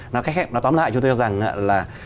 nói tóm lại chúng tôi cho rằng là